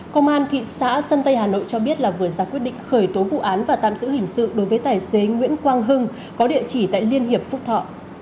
công an thị xã sơn tây hà nội cho biết là vừa ra quyết định khởi tố vụ án và tạm giữ hình sự đối với tài xế nguyễn quang hưng có địa chỉ tại liên hiệp phúc thọ